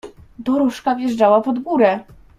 "Dorożka wjeżdżała pod górę!"